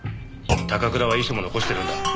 高倉は遺書も残してるんだ。